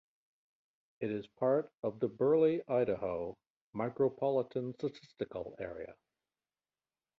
It is part of the Burley, Idaho Micropolitan Statistical Area.